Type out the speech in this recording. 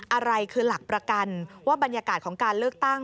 อะไรคือหลักประกันว่าบรรยากาศของการเลือกตั้ง